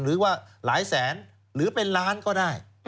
หรือว่าหลายแสนหรือเป็นล้านก็ได้